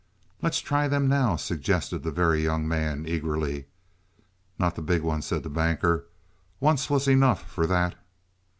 "Let's try them now," suggested the Very Young Man eagerly. "Not the big one," said the Banker. "Once was enough for that."